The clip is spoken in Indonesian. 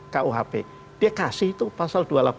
kuhp dia kasih itu pasal